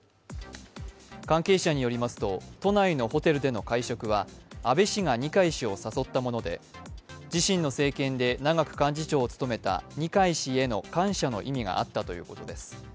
関係者によりますと、都内のホテルでの会食は安倍氏が二階氏を誘ったもので自身の政権で長く幹事長を務めた二階氏への感謝の意味があったということです。